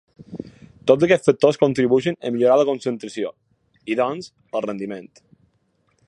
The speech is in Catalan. Tots aquests factors contribueixen a millorar la concentració i, doncs, el rendiment.